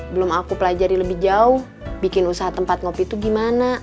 belum aku pelajari lebih jauh bikin usaha tempat ngopi itu gimana